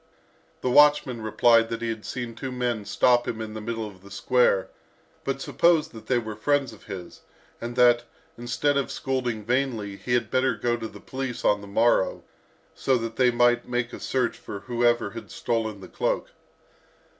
The watchman replied that he had seen two men stop him in the middle of the square, but supposed that they were friends of his, and that, instead of scolding vainly, he had better go to the police on the morrow, so that they might make a search for whoever had stolen the cloak.